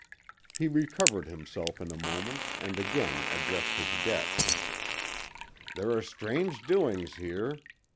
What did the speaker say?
He recovered himself in a moment and again addressed his guest. "There are strange doings here.